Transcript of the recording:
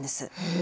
え。